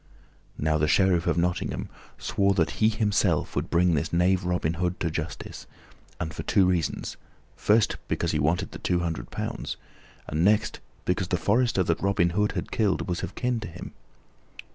Now the Sheriff of Nottingham swore that he himself would bring this knave Robin Hood to justice, and for two reasons: first, because he wanted the two hundred pounds, and next, because the forester that Robin Hood had killed was of kin to him.